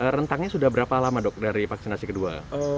rentangnya sudah berapa lama dok dari vaksinasi kedua